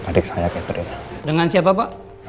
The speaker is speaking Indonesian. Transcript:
baik sebentar pak